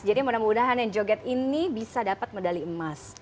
jadi mudah mudahan yang joget ini bisa dapat medali emas